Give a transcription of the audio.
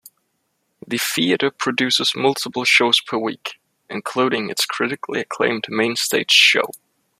The theater produces multiple shows per week including its critically acclaimed mainstage show.